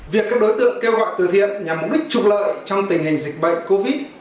việc các đối tượng kêu gọi từ thiện nhằm mục đích trục lợi trong tình hình dịch bệnh covid